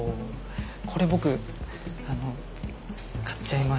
これ僕買っちゃいました。